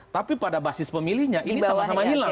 tapi pada basis pemilihnya ini sama sama hilang